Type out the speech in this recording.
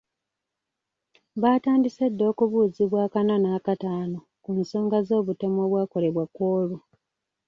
Baatandise dda okubuuzibwa ak'ana n’ak'ataano ku nsonga z’obutemu obwakolebwa ku olwo.